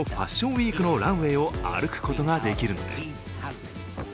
ウィークのランウェイを歩くことができるのです。